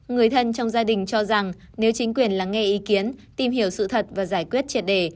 người thân trong gia đình cho rằng nếu chính quyền lắng nghe ý kiến tìm hiểu sự thật và giải quyết triệt đề